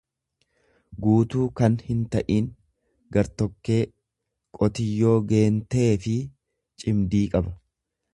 guutuu kan hinta'in, gar tokkee; Qotiyyoo geenteefi cindii qaba.